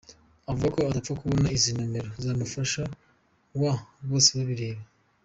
avuga ko atapfa kubona izi nomero zumufasha wa Bosebabireba.